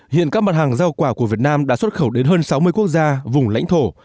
hiện các mặt hàng rau quả của việt nam đã xuất khẩu đến hơn sáu mươi quốc gia vùng lãnh thổ